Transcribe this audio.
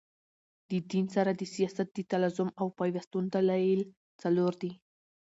د دین سره د سیاست د تلازم او پیوستون دلایل څلور دي.